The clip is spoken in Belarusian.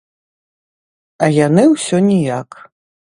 А яны ўсё ніяк.